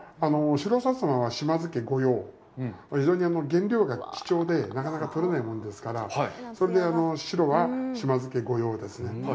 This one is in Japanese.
白薩摩は島津家御用、非常に原料が貴重で、なかなか取れないもんですから、それで白は島津家の御用ですね。